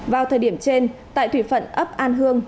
vào thời điểm trên tại thủy phận ấp an hương